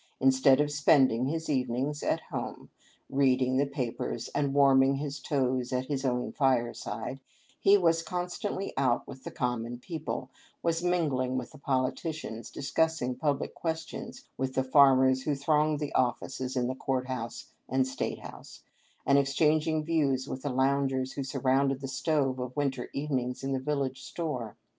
Instead of spending his even ings at home, reading the papers and warming his toes at his own fireside, he was constantly out with the common people, was mingling with the politi cians, discussing public questions with the farmers who thronged the offices in the court house and state house, and exchanging views with the loungers who surrounded the stove of winter evenings in the village store.